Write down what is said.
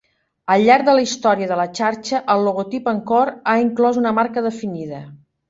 Al llarg de la història de la xarxa, el logotip Encore ha inclòs una marca definida.